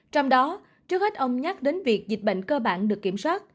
trong đó trước hết ông nhắc đến việc dịch bệnh cơ bản được kiểm soát